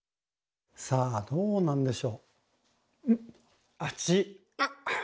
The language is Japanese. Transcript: さあどうなんでしょう？